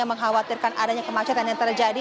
mengkhawatirkan adanya kemacetan yang terjadi